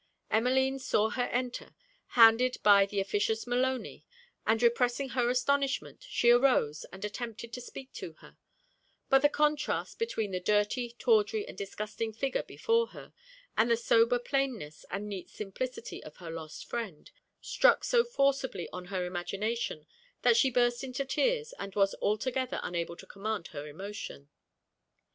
Emmeline saw her enter, handed by the officious Maloney; and repressing her astonishment, she arose, and attempted to speak to her: but the contrast between the dirty, tawdry, and disgusting figure before her, and the sober plainness and neat simplicity of her lost friend, struck so forcibly on her imagination, that she burst into tears, and was altogether unable to command her emotion.